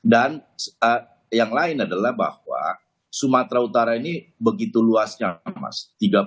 dan yang lain adalah bahwa sumatera utara ini begitu luasnya mas